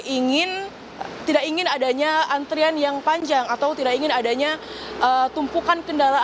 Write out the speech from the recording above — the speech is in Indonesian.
ingin tidak ingin adanya antrian yang panjang atau tidak ingin adanya tumpukan kendaraan